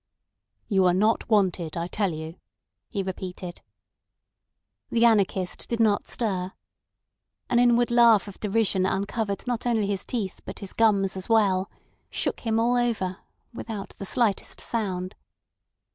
"You are not wanted, I tell you," he repeated. The anarchist did not stir. An inward laugh of derision uncovered not only his teeth but his gums as well, shook him all over, without the slightest sound.